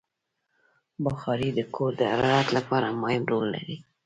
بخاري د کور د حرارت لپاره مهم رول لري.